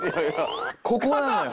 ここなのよ。